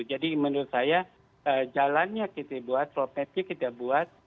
jadi menurut saya jalannya kita buat topiknya kita buat